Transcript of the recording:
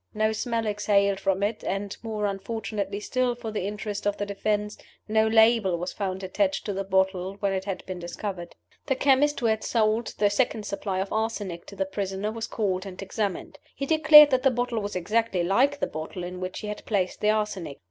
No smell exhaled from it and, more unfortunately still for the interests of the defense, no label was found attached to the bottle when it had been discovered. The chemist who had sold the second supply of arsenic to the prisoner was recalled and examined. He declared that the bottle was exactly like the bottle in which he had placed the arsenic.